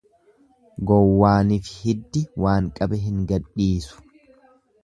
Gowwaanifi hiddi waan qabe hin gadhiisu.